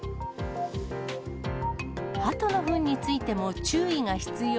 ハトのふんについても注意が必要